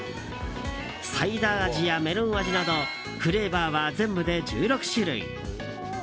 サイダー味やメロン味などフレーバーは全部で１６種類。